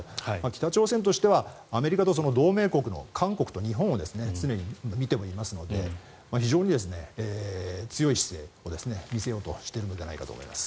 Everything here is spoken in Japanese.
北朝鮮としてはアメリカと同盟国の韓国と日本を常に見ていますので非常に強い姿勢を見せようとしているのではと思います。